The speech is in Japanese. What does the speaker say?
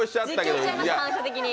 反射的に。